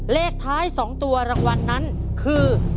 เลขท้าย๒ตัวรางวัลนั้นคือ